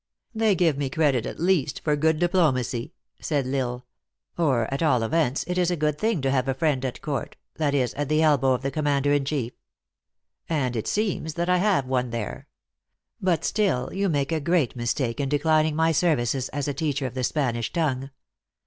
" They give me credit at least for good diplomacy," said L Isle. " Or, at all events, it is a good thing to have a friend at court that is, at the elbow of the commander in chief. And it seems that I have one there. But still you make a great mistake in declin ing my services as a teacher of the Spanish tongue.